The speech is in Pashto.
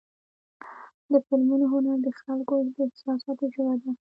د فلمونو هنر د خلکو د احساساتو ژبه ده.